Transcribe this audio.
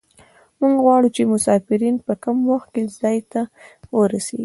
موږ غواړو چې مسافرین په کم وخت کې ځای ته ورسیږي